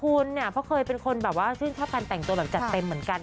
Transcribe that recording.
คุณเนี่ยเพราะเคยเป็นคนชื่นชอบการแต่งโจรังจัดเต็มเหมือนกัน